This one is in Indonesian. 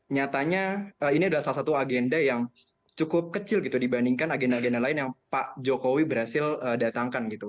nyatanya ini adalah salah satu agenda yang cukup kecil gitu dibandingkan agenda agenda lain yang pak jokowi berhasil datangkan gitu